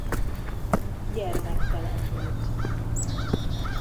Gyermektelen volt.